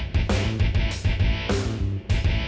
kak mau pulang bareng